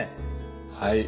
はい。